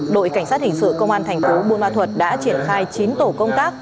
đội cảnh sát hình sự công an thành phố buôn ma thuật đã triển khai chín tổ công tác